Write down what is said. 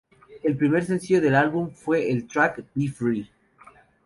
El primer sencillo del álbum fue el track "Be Free".